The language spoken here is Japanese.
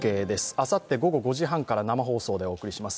あさって午後５時半から生放送でお送りします